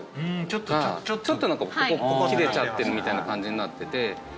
ちょっとここ切れちゃってるみたいな感じになってて。